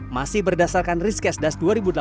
masih berdasarkan risk s das dua ribu delapan belas